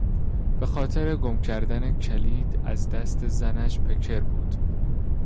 بخاطر گم کردن کلید از دست زنش پکر بود.